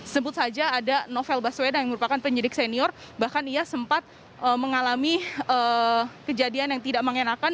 sebut saja ada novel baswedan yang merupakan penyidik senior bahkan ia sempat mengalami kejadian yang tidak mengenakan